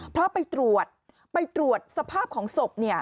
เพราะไปตรวจไปตรวจสภาพของศพ